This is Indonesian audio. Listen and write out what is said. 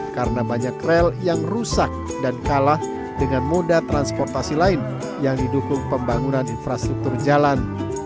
karena banyak rel yang rusak dan kalah dengan moda transportasi lain yang didukung pembangunan infrastruktur jalan